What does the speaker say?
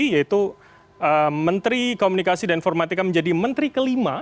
yaitu menteri komunikasi dan informatika menjadi menteri ke lima